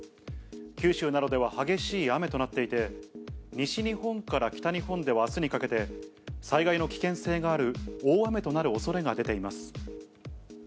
九州などでは激しい雨となっていて、西日本から北日本ではあすにかけて、災害の危険性がある大雨となるおそれが出ています。